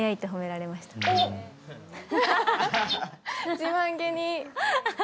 自慢気に。